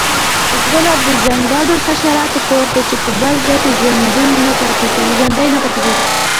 غرونه د ځانګړو حشراتو کور دی چې په بل ځاې کې ژوندي نه پاتیږي